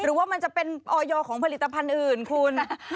หรือว่ามันจะเป็นออยของผลิตภัณฑ์อื่นคุณ